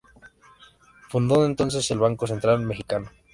Fundó entonces el Banco Central Mexicano.